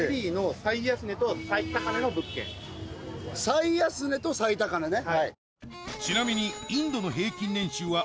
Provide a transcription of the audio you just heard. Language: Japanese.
最安値と最高値ね。